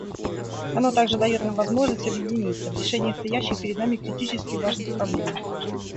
Оно также дает нам возможность объединиться в решении стоящих перед нами критически важных проблем.